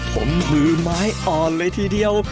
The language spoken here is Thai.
ผมมือไม้อ่อนเลยทีเดียว